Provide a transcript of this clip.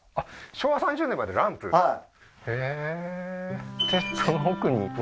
昭和３０年までランプはいへえーあっ